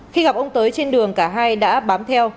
khi gặp ông tới trên đường cả hai đã bám theo